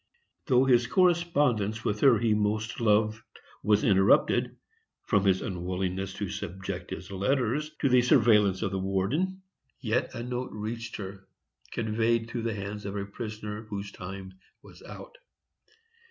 Though his correspondence with her he most loved was interrupted, from his unwillingness to subject his letters to the surveillance of the warden, yet a note reached her, conveyed through the hands of a prisoner whose time was out.